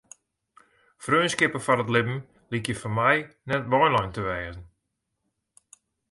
Freonskippen foar it libben lykje foar my net weilein te wêze.